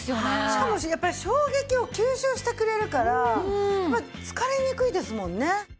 しかもやっぱり衝撃を吸収してくれるからやっぱり疲れにくいですもんね。